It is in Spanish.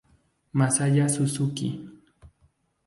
Masaya Suzuki